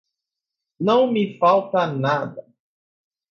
não me falta nada.